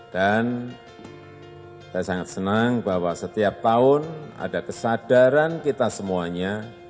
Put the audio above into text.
dan saya sangat senang bahwa setiap tahun ada kesadaran kita semuanya